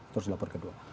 terus dilapor kedua